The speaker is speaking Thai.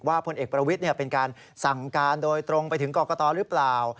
พลเอกประวิทย์เป็นการสั่งการโดยตรงไปถึงกรกตหรือเปล่า